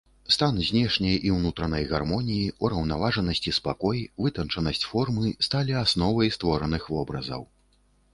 Стан знешняй і ўнутранай гармоніі, ураўнаважанасць і спакой, вытанчанасць формы сталі асновай створаных вобразаў.